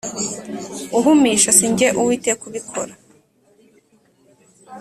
Uhumisha si jye uwiteka ubikora